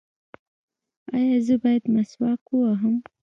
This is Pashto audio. ایا زه باید مسواک ووهم؟